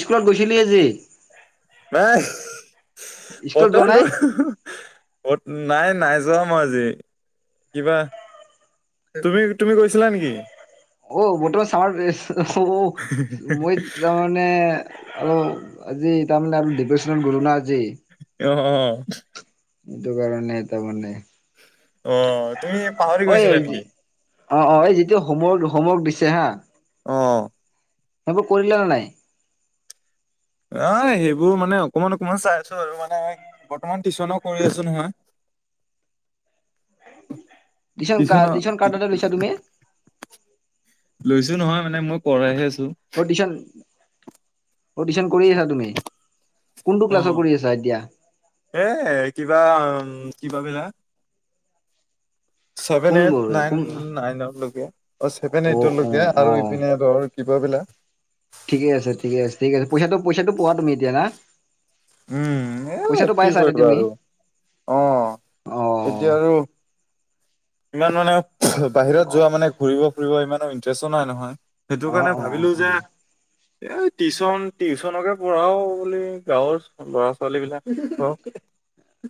স্কুলত গৈছিলি আজি? স্কুলত যোৱা নাই বৰ্তমানটো বত, নাই, নাই যোৱা মই আজি। কিবা তুমি, তুমি গৈছিলা নেকি? অ, বৰ্তমান চামাৰ [unintelligible] চও মই জামান মানে অলপ আজি তাৰমানে ডিপ্ৰেশ্যনত গ'লো না আজি। অ', অ'। এইটো কাৰণে তাৰমানে। অ', তুমি পাহৰি ঐ গৈছিলা নেকি? অ', অ'। এই যিটো হোমৱৰ্ক, হোমৱৰ্ক দিছে হা। অ সেইবোৰ কৰিলানে নাই? অ', সেইবোৰ মানে অকমান, অকমান চাই আছো আৰু মানে বৰ্তমান টিউশ্যনও কৰি আছো নহয়। টিউচন কা তিচনো টিউচন কাৰ তাতে লৈছা তুমি লৈছো নহয়, মানে মই কৰাইহে আছোঁ। অ', টিশ্যন, অ', টিশ্যন কৰি আছা তুমি? কোনটো অ ক্লাছৰ কৰি আছা এতিয়া? এ কিবা কিবা বিলাক ছেভেন, এইট, কোনবোৰ নাইন, কোন নাইনক লৈকে, অ', ছেভেন, এইট অ লৈকে অ আৰু ইপিনে ধৰ কিবা বিলাক। ঠিকে আছে। ঠিকে আছে। ঠিক আছে। পইচাটো, পইচাটো পোৱা তুমি এতিয়া না? উম এ পইচাটো পাই কি আছা এতিয়া কৰিবা তুমি? আৰু অ এতিয়া অ'। আৰু ইমান মানে, বাহিৰত যোৱা মানে ঘুৰিব, ফুৰিব ইমানো ইন্টাৰেষ্টো নাই নহয়। সেইটোৰ অ কাৰণে অ অ ভাবিলোঁ অ যে এই টিউশচন, টিউশচনকে পঢ়াও বুলি গাঁৱৰ। ল'ৰা-ছোৱালী বিলাকক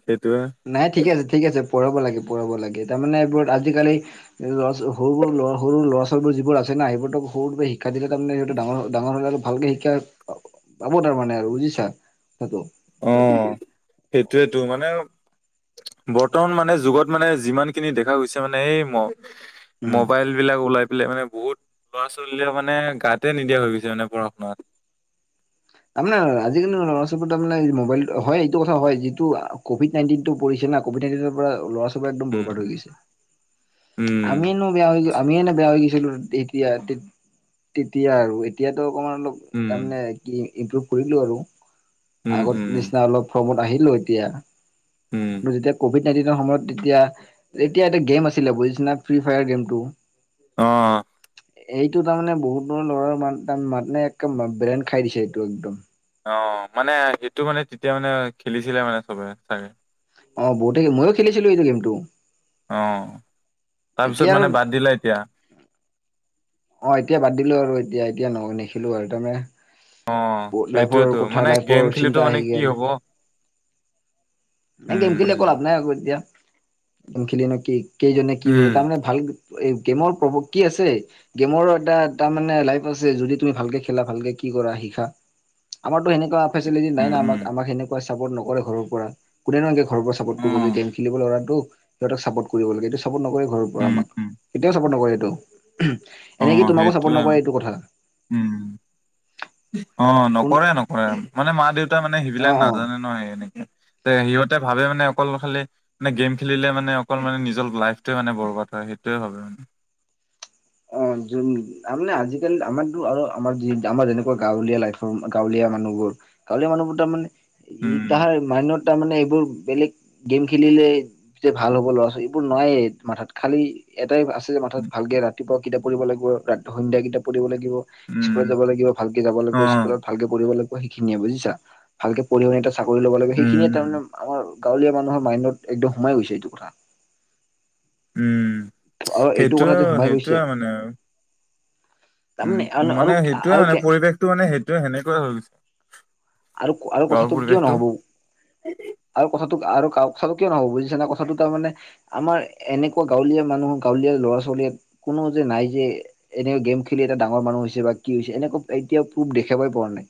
সেইটোয়ে। নাই, ঠিকে আছে। ঠিক আছে। পঢ়াব লাগে, পঢ়াব লাগে। তাৰমানে এইবোৰত আজিকালি লৰা ছ সৰু সৰু লৰা সৰু লৰা ছোৱালীবোৰ যিবোৰ আছে না সেইবোৰতো সৰুতে শিক শিক্ষা দিলে তাৰমানে সিহঁতে ডাঙৰ ডাঙৰ হলে আৰু ভালকে শিক্ষা পাব তাৰ মানে আৰু বুজিছা সেইটো। অ', সেইটোয়েতো মানে বৰ্তমান মানে যুগত মানে যিমান যি দেখা গৈছে মানে এই উম মবাইল এইবিলাক ওলাই পেলাই মানে বহুত ল'ৰা ছোৱালীয়ে মানে গাতে নিদিয়া হৈ গৈছে মানে পঢ়া শুনা আপোনাৰ আজিকালি ল'ৰা ছোৱালী তাৰ মানে মবাইল হয় এইটো কথা হয় যিটো কভিড নাইনটিনটো পৰিছে না কভিড [unintelligible] পৰা লৰা ছোৱালীবোৰ একদম বৰবাদ হৈ গৈছে। উম উম আমিনো বেয়া হৈ যা আমি এনে বেয়া হৈ গৈছিলো এতিয়া তেতিয়া আৰু এতিয়াতো অকণমান অলপ উম তাৰমানে কি ইম্প্ৰুভ কৰিলো আৰু উম আগত উম নিচিনা অলপ। ফ্ৰমত আহিলো এতিয়া উম কিন্তু যেতিয়া কভিড এদিনৰ সময়ত তেতিয়া, তেতিয়া এটা গেম আছিলে বুজিছে না ফ্ৰী ফায়াৰ গেমটো অ। এইটো তাৰমানে বহুত বহুত ল'ৰা মান তাৰমানে এক ব্ৰেন খাই দিছে এইটো একদম। অ', মানে সেইটো মানে তেতিয়া মানে খেলিছিলে মানে চবে ছাগে। অ', বহুতে ময়ো খেলিছিলোঁ এইটো গেমটো। অ', এতিয়া তাৰপিছত আৰু মানে বাদ দিলা এতিয়া? অ', এতিয়া বাদ দিলো আৰু এতিয়া এতিয়া নহ নেখেলোঁ আৰু অ তাৰমানে লাইফৰ সেইটোয়েতো কথা মানে গেম লাইফৰ খেলিতো চিন্তা মানে আহি কি গেল। হব এ গেম উম খেলি একো লাভ নাই আৰু এতিয়া গেম খেলি নু কি কেইজনে কি কৰে উম তাৰমানে ভাল এই গেমৰ প্ৰভাৱ কি আছে? গেমৰো এটা তাৰ মানে লাইফ আছে যদি তুমি ভালকে খেলা ভালকে কি কৰা শিকা আমাৰতো সেনেকুৱা ফেচিলিতি নাই উম না উম আমাক আমাক সেনেকুৱা চাপৰ্ট নকৰে ঘৰৰ পৰা। কোনেনো এনকে ঘৰৰ পৰা ছাপৰ্ট উম অ কৰিব যে গেম খেলিব ল'ৰাটো, সিহঁতক ছাপৰ্ট কৰিব লাগে এইটো ছাপৰ্ট নকৰে ঘৰৰ পৰা উম আমাক। উম কেতিয়াও ছাপৰ্ট নকৰে এইটো অ এনেকে তোমাকো ছাপৰ্ট সেইটোয়ে নকৰে এইটো কথা। উম, অ', কোন নকৰে নকৰে মানে মা দেউতা মানে সেইবিলাক অ', অ'। নাজানে ন' সেই এনেকে তে সিহঁতে ভাবে মানে অকল খালি মানে গেম খেলিলে মানে অকল মানে নিজৰ লাইফটোৱে মানে বৰবাত হয় সেইটোৱে ভাবে মানে। অ', যোন তাৰমানে আজিকালি আমাৰতো আৰু আমাৰ যি আমাৰ যেনেকুৱা গাঁৱলীয়া লাইফৰ গাঁৱলীয়া মানুহবোৰ গাঁৱলীয়া মানুহবোৰ তাৰমানে উম তাহাৰ মাইণ্ডত তাৰমানে এইবোৰ বেলেগ গেম খেলিলে যে ভাল হ'ব ল'ৰা ছোৱীবোৰ নায়েই মাথাত খালি এটাই আছে যে মাথাত ভালকে ৰাতিপুৱা কিতাপ পঢ়িব লাগিব ৰা সন্ধিয়া কিতাপ পঢ়িব লাগিব। উম স্কুলত যাব লাগিব ভালকে যাব অ লাগব' স্কুল ভালকে পঢ়িব লাগব' সেইখিনিয়ে বুজিছা ভালকে পঢ়িব চাকৰি ল'ব লাগে উম সেইখিনিয়ে তাৰমানে উম আমাৰ গাঁৱলীয়া মানুহৰ মাইণ্ডত একদম সোমাই গৈছে এইটো কথা। উম, আৰু এইটো সেইটো কথা যে সোমাই গৈছে সেইটোয়ে মানে আৰু উম, তাৰমানে আৰু মানে সেইটোয়ে মানে আৰু পৰিৱেশটো মানে সেইটোয়ে সেনেকুৱাই হৈ গৈছে। আৰু আৰু গাঁৱৰ কথাটো কিয় পৰিৱেশটো নহব? আৰু কথাটো আৰু কথাটো কিয় নহ'ব বুজিছা নে কথাটো তাৰ মানে আমাৰ এনেকুৱা গাঁৱলীয়া মানুহৰ গাঁৱলীয়া ল'ৰা ছোৱালীয়ে কোনো যে নাই যে এনে গেম খেলি এটা ডাঙৰ মানুহ হৈছে বা, কি হৈছে এনেকুৱা এতিয়া প্ৰুভ দেখাবই পোৱা নাই।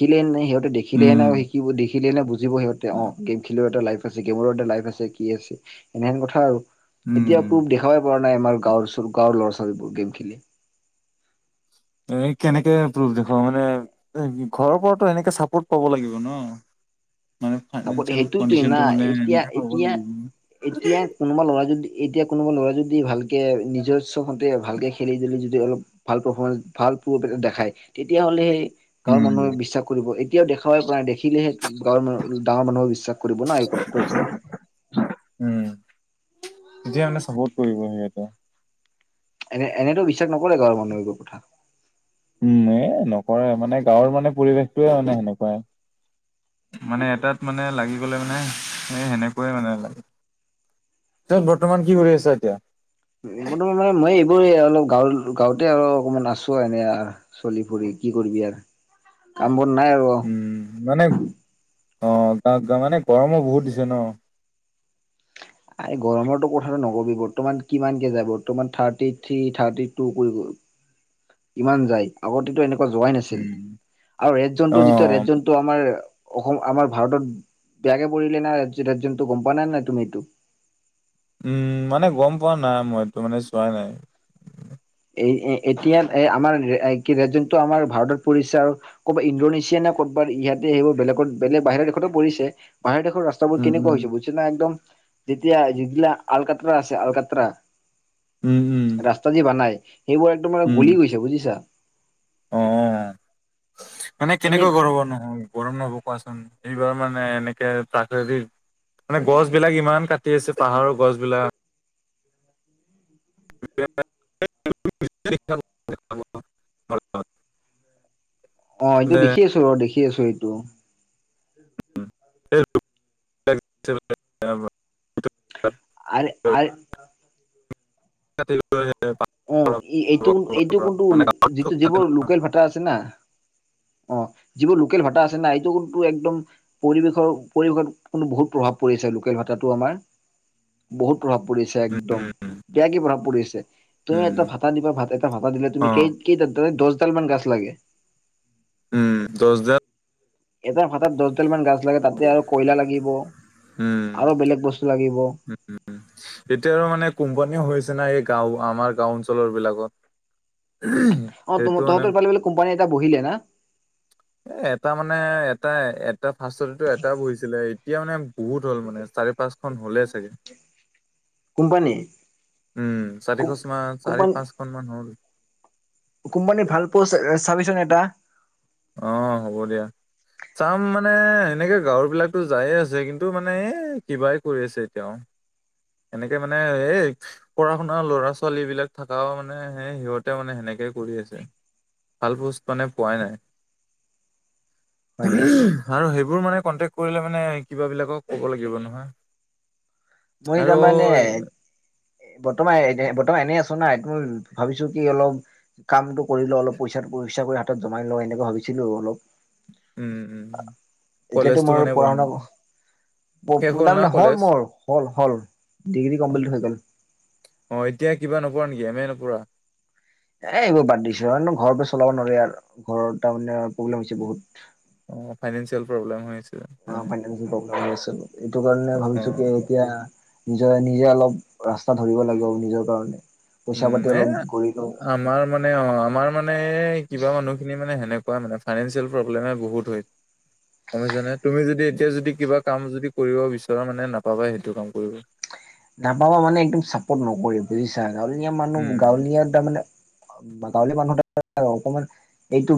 শিকিলে সিহঁতে দেখিলে নে উম শিকিব দেখিলে না বুজিব সিহঁতে অ', গেম খেলিও এটা লাইফ আছে গেমৰো এটা লাইফ আছে কি আছে এনেহেন কথা আৰু এতিয়া উম প্ৰুফ দে দেখাবই পাৰা নাই আমাৰ গাঁৱৰ গাঁৱৰ ছোৱালীবোৰ গেম খেলি এই কেনেকে প্ৰুফ দেখুৱাও মানে এ, ঘৰৰ পৰাতো এনেকে চাপৰ্ট পাব লাগিব ন মানে চাপত ফাইনেন্সিয়েল সেইটোয়েটোয়ে না কণ্ডিচনটো মানে এতিয়া এনেকে পাব এতিয়া লাগিব এতিয়া কোনোবা ল'ৰাই যদি এতিয়া কোনোবা ল'ৰাই যদি ভালকে নিজশ্ব ভন্তে ভালকে খেলি জুলি যুদি অলপ ভাল পৰ্ফমেন ভাল প্ৰুফ এটা দেখায় তেতিয়াহ'লেহে গাঁৱৰ উম মানুহে বিশ্বাস কৰিব এতিয়াও দেখাৱাই পাৰা না দেখিলেহে টো গাঁৱৰ মানু ডাঙ মানুহে বিশ্বাস কৰিব না এই কথাটো। উম, এতিয়া মানে চাপৰ্ট কৰিব সিহঁতে। এনে এনেটো বিশ্বাস নকৰে গাঁৱৰ মানুহে এইবোৰ কথা। উম এ, নকৰে মানে গাঁৱৰ মানে পৰিৱেশটোয়ে মানে সেনেকুৱা। মানে এটাত মানে লাগি গ'লে মানে, এই সেনেকুৱাই মানে লাগে। ত' বৰ্তমান কি কৰি আছা এতিয়া? বৰ্তমান মানে মই এইবোৰে অলপ গাঁৱল গাঁৱতে আৰু অকমান আছোঁ এনে আ। চলি ফুৰি কি কৰিবি আৰু কাম বন নাই আৰু উম মানে অ', গা গা মানে গৰমো বহুত দিছে ন। আৰে গৰমৰটো কথাটো নকবি বৰ্তমান কিমানকে যায় বৰ্তমান থাৰ্টি থ্ৰী, থাৰ্টি টু [unintelligible] ইমান যায় আগতেতো এনেকুৱা যোৱাই নাছিল উম আৰু ৰেড জনটো যেতিয়া অ ৰেড জন ত' আমাৰ অসম আমাৰ ভাৰতত বেয়াকে পৰিলে না ৰেডজো ৰেড জোনটো গম পোৱা নাই নি তুমি এইটো? উম, মানে গম পোৱা না মই এইটো মানে চোৱা নাই। এই এ, এতিয়া এ, আমাৰ [unintelligible] কি ৰেড জোনটো আমাৰ ভাৰতত পৰিছে আৰু কবা ইণ্ডোনেছিয়া নে কতবা ইয়াতে সেইবো বেলেগত বেলে বাহিৰ দেশতো পৰিছে বাহিৰ দেশৰ ৰাচ [unintelligible] বোৰ উম, উম, কেনেকুৱা হৈছে বুছ না একদম যেতিয়া যেগিলা আলকাত্ৰৰা আছে আলকাত্ৰৰা উম, উম, ৰাস্তা যি বানাই, সেইবোৰ একদম মানে উম, গলি গৈছে বুজিছা। অ', মানে এনে কেনেকৈ গৰ্ব নহয়? গৰম নহ'ব কোৱাচোন, এইবাৰ মানে এনেকে প্ৰাকৃতিক মানে গছ বিলাক ইমান কাটি আছে পাহাৰ গছ বিলাক। [unintelligible] [unintelligible] অ', এইটো দেখি আছোঁ বাৰু দেখি আছোঁ এইটো। [unintelligible] আৰে উম, আৰে [unintelligible] উ, ই এইটো এইটো কোনটো লো যিটো যিবোৰ লোকেল ভাটা আছে না অ', যিবো লোকেল ভাৰ্টা আছে না এইটো কিন্তু একদম পৰিৱেশৰ পৰিৱেশত কোনো বহুত প্ৰভাৱ পৰি আছে লোকেল ভাতাটো আমাৰ। বহুত প্ৰভাৱ পৰিছে উম, একদম কেয়াকে প্ৰভাৱ পৰিছে। তুমি উম, এটা ভাতা দিবা ভাত এটা ভাতা দিলে তুমি অ', কেই কেইটা দ দহডাল মান গাছ লাগে। উম, দচদা এটা ভাতাত দচডাল মান গাজ লাগে তাতে আৰু কয়লা লাগিব উম। আৰু বেলেগ বস্তু লাগিব। উম। এতিয়া আৰু মানে কোম্পানীও হৈছে না এই গাঁও আমাৰ গাঁও অঞ্চলৰ বিলাকত। অ', সেইটো তহঁ মানে তহঁতৰ ফালে বোলে কোম্পানী এটা বহিলে না? এ, এটা মানে এটাই এটা ফাষ্টত এটো এটা বহিছিলে এই তিয়া মানে বহুত হ'ল মানে চাৰি পাঁচখন হ'লেই চাগে। কোম্পানী উম চাৰিশচ মাহ কোম্পানী চাৰি পাঁচখন মান হ'ল। কোম্পানী ভাল পচ এ, চাবিচোন এটা। অ', হ'ব দিয়া। চাম মানে, এনেকে গাঁৱৰ বিলাকটো যায়ে আছে, কিন্তু মানে এ কিবাই কৰি আছে তেওঁ। এনেকে মানে এই পঢ়া শুনা ল'ৰা- ছোৱালী বিলাক থকাও মানে, সেই সিহঁতে মানে সেনেকে কৰি আছে। ভাল পোষ্ট মানে পোৱাই নাই। হয় নেকি ভাল আৰু সেইবোৰ মানে কণ্টেক্ট কৰিলে মানে, কিবাবিলাকক ক'ব লাগিব নহয়। মই আৰু তাৰমানে বৰ্তমান এ বৰ্তমান এনেই আছ না। মই ভাবিছো কি অলপ কামটো কৰি লওঁ, অলপ পইচাটো পইচাবোৰ কৰি হাতত জমাই লওঁ, এনেকা ভাবিছিলোঁ অলপ। উম- উম, এতিয়াতো কলেজটো মোৰ মানে বন্ধ পঢ়া মানে হ'ল মোৰ, হ'ল- হ'ল ডিগ্ৰী অ কমপ্লিট হৈ গ'ল। অ, ' এতিয়া কিবা নপঢ়া নেকি, এমে নপঢ়া? এ এইবোৰ বাদ দিছো আৰু। এনেও ঘৰৰ চলাব নোৱাৰে আৰু, ঘৰৰ তাৰ মানে প্ৰব্লেম হৈছে বহুত। অ, ফাইনেন্ঞ্চিয়েল প্ৰব্লেম হৈ আছে। অ, মানে ফাইনেঞ্চিয়েল প্ৰব্লেম হৈ আছে। এইটো কাৰণে অ ভাবিছো কি এতিয়া নিজৰ নিজে অলপ ৰাস্তা ধৰিব লাগিব, নিজৰ কাৰণে, পইচা উম পাতি এ অলপ গঢ়ি লওঁ। আমাৰ মানে অ, আমাৰ মানে কিবা মানুহখিনি মানে, সেনেকুৱাই মানে, ফাইনেন্ঞ্চিয়েল প্ৰব্লেমে বহুত হয়। গম পাইছানে? তুমি যদি এতিয়া যদি, কিবা কাম যদি, কৰিব বিচৰা মানে নাপাবাই, সেইটো কাম কৰিব। নাপাবা মানে একদম চাপৰ্ট নকৰেই, বুজিছা গাঁৱলীয়া মানুহ উম গাঁৱলীয়া তাৰমানে বা গাঁৱলীয়া মানুহ তাত অকমান এইটো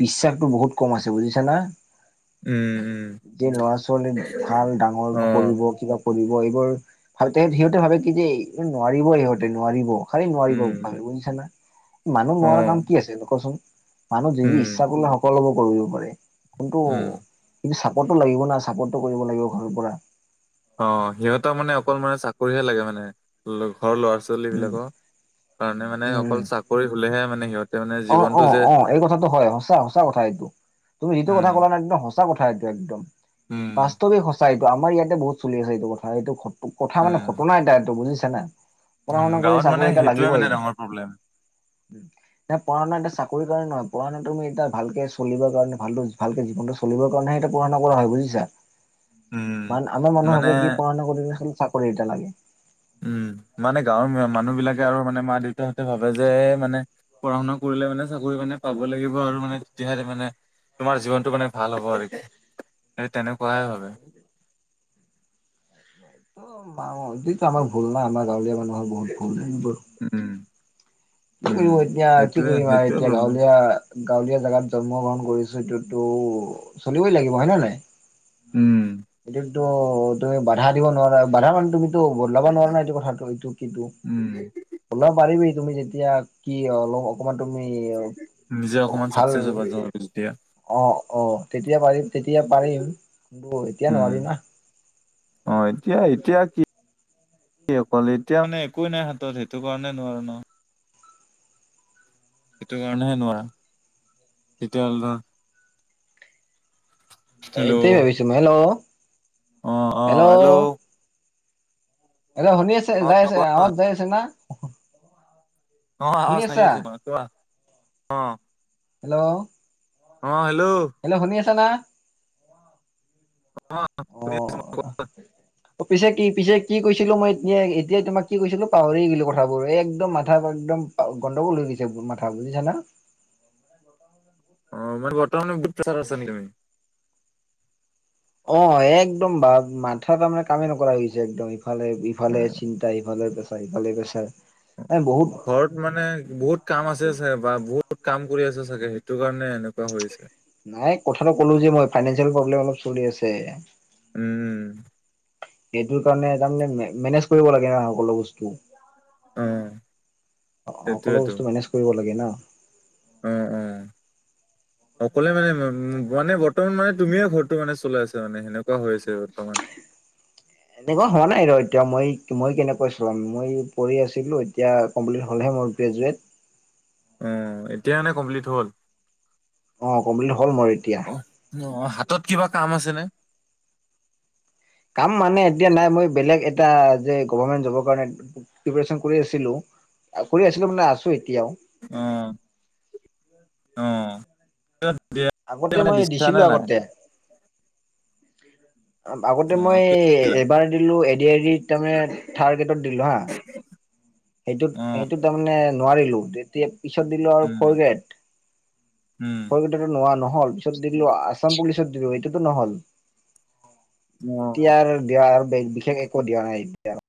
বিশ্বাসটো বহুত কম আছে, বুজিছা না? উম- উম। যি ল'ৰা- ছোৱালী ভাল, ডাঙৰ অ কৰিব, কিবা কৰিব, এইবোৰ আৰু তাতে সিহঁতে ভাবে কি যে, এই নোৱাৰিব সিহঁতে, নোৱাৰিব, খালি নোৱাৰিব, ভাবে উম বুজিছা না। মানুহ অ নোৱাৰা কাম কি আছে কচোন? মানুহ যি উম ইচ্ছা কৰিলে, সকলোবোৰ কৰিব পাৰে। কিন্তু- উম কিন্তু চাপৰ্টটো লাগিব না। চাপৰ্টটো কৰিব লাগিব ঘৰৰ পৰা। অ, সিহঁতক মানে অকল মানে, চাকৰিহে লাগে মানে, ঘৰৰ ল'ৰা- ছো ৱালী উম বিলাকৰ, কাৰণে মানে উম অকল উম চাকৰি হলেহে মানে সিহঁত অ- অ- অ, এই কথাটো হয়, সঁচা- সঁচা কথা এইটো তুমি যিটো কথা উম ক'লা না একদম সচ সঁচা কথা, এইটো একদম। উম। বাস্তৱিক সঁচা এইটো, আমাৰ ইয়াতে বহুত চলিছে এইটো কথা। এইটো কথা মানে, উম ঘটনা এটা এইটো বুজিছা না, পঢ়া উম শুনা কৰি গাঁৱত মানে চাকৰি এটা সেইটোৱে মানে লাগিবই। ডাঙৰ প্ৰব্লেম। নাই পঢ়া শুনা এতিয়া চাকৰি কাৰণে নহয়, পঢ়া শুনা তুমি এতিয়া ভালকে চলিবৰ কাৰণে, ভাল- ভালকে জীৱনটো চলি চলিব কাৰেনেহে এতিয়া পঢ়া শুনা কৰা হয়। বুজিছা? উম। মান আমাৰ মানে ভাবে কি পঢ়াশুনা কৰিলা চাকৰি এটা লাগে। উম, মানে গাঁৱৰ মানুহ বিলাকে আৰু মানে মা দেউতাহঁতে ভাবে যে, মানে পঢ়া শুনা কৰিলে মানে চাকৰি মানে পাবই লাগিব। আৰু মানে তেতিয়াহে মানে, তোমাৰ জীৱনটো মানে ভাল হ'ব আৰু কি। সেই তেনেকুৱাই ভাবে। ত, ' মা অতি আমাৰ ভুল না, আমাৰ গাঁৱলীয়া মানুহৰ বহুত ভুল। উম। কি উম কৰিব এতিয়া, কি সেইটোৱে কৰিম আৰু সেইটোৱে এতিয়া, প্ৰব্লেম গাঁৱলীয়া গাঁৱলীয়া জেগাত জন্ম গ্ৰহণ কৰিছো। এইটোতো চলিবই লাগিব হয় নে নাই? উম। এইটোতো তুমি বাধা দিব নোৱাৰা বাধা মানে তুমিতো বদলাব নোৱাৰা না এইটো কথাটো এইটো কিটো। উম। ওলাব পাৰিবি তুমি যেতিয়া কি অলপ অকমান তুমি নিজে অকমান ভাল চাকচেছ হ'বা যাওঁ আৰু যেতিয়া। অঁ-অঁ, তেতিয়া পাৰিম, তেতিয়া পাৰিম কিন্তু এতিয়া নোৱাৰিম না। অঁ! এতিয়া-এতিয়া কি কি অকল এতিয়া মানে একোৱেই নাই হাতত সেইটো কাৰণে নোৱাৰো ন। সেইটো কাৰণেহে নোৱাৰা তেতিয়াহ'লে ধৰ হেল্ল' এইটোৱেই ভাবিছো মই। হেল্ল'! অ অ হেল্ল'! হেল্লো শুনি আছে? অ যাই আছে কোৱা। আৱাজ যাই আছে না? অঁ শুনি আৱাজ আছা আহি আছে তোমাৰ। কোৱা? অঁ! হেল্ল'! অঁ! হেল্ল'? হেল্ল' শুনি আছ না? অঁ! অ শুনি আছো মই। কোৱা। অ পিছে কি পিছে কি কৈছিলোঁ মই এতিয়া এতিয়াই তোমাক কি কৈছিলোঁ পাহৰি গলোঁ কথাবোৰ। এই একদম মাথা একদম অ! গণ্ডগোল হৈ গৈছে মাথা বুজিছা না? অঁ! মানে বৰ্তমান বহুত প্ৰেচাৰত আছা নেকি তুমি? অঁ একদম বা মাথা তাৰমানে কামে নকৰা হৈছে একদম। ইফালে, অ ইফালে চিন্তা, ইফালে পেছাৰ, সিফালে পেছাৰ এ বহুত ঘৰত মানে বহুত কাম আছে চা বা বহুত কাম কৰি আছে চাগে সেইটো কাৰণে এনেকুৱা হৈ আছে। নাই কথাটো ক'লো যে মই ফাইনেন্সিয়েল প্ৰব্লেম অলপ চলি আছে। উম। সেইটোৰ কাৰণে তাৰমানে মে-মেনেজ কৰিব লাগে অঁ সকলো বস্তু। অ সকলো সেইটোৱেতো বস্তু মেনেজ কৰিব লাগে না। উম-উম। অকলে মানে-মানে বৰ্তমান মানে তুমিয়ে ঘৰটো মানে চলাই আছা মানে সেনেকুৱা হৈ আছে বৰ্তমান? এনেকুৱা হোৱা নাই ৰ এতিয়া মই-মই কেনেকৈ চলাম মই পঢ়ি আছিলোঁ। এতিয়া কমপ্লিট হ'ল হে মোৰ গ্ৰেজুৱেট। উম! এতিয়া নে কমপ্লিট হ'ল? অঁ! কমপ্লিট হ'ল মোৰ এতিয়া। অঁ-অঁ! হাতত কিবা কাম আছে নে? কাম মানে এতিয়া নাই মই বেলেগ এটা যে গভমেন্ট জবৰ কাৰণে প্ৰিপেৰেচন কৰি আছিলোঁ। কৰি আছিলোঁ মানে আছোঁ এতিয়াও। অঁ! অঁ! [unintelligible] আগতে মানে মই দিছিলা দিছিলো নে নাই? আগতে আগতে অ মই কেলা এবাৰ দিলোঁ এডিআৰিড তাৰমানে থাৰ্ট গ্ৰেটত দিলোঁ হা। অ সেইটোত-সেইটোত তাৰমানে নোৱাৰিলোঁ তেতিয়া পিছত দিলো আৰু উম for grade. Um for grade সেইটোতো নোৱাৰা নহ'ল। পিছত দিলোঁ আছাম পুলিচত দিলোঁ এইটোটো নহ'ল। অ এতিয়াৰ দিয়াৰ বেগ বিশেষ একো দিয়া নাই এতিয়াৰ।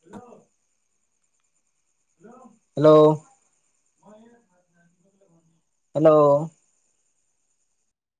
হেল্লো! হেল্ল'! হেল্ল'?